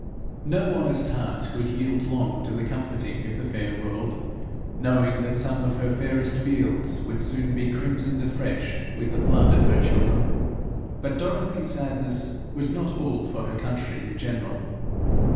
No honest heart could yield long to the comforting of the fair world, knowing that some of her fairest fields would soon be crimsoned afresh with the blood of her children. But Dorothy's sadness was not all for her country in general.